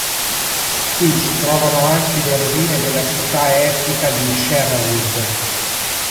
Qui si trovano anche le rovine della città elfica di Shaerrawedd.